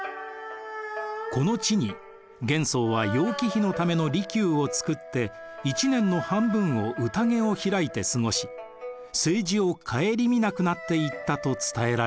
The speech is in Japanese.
この地に玄宗は楊貴妃のための離宮をつくって一年の半分をうたげを開いて過ごし政治を省みなくなっていったと伝えられています。